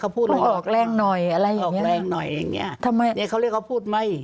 คือเขาพูด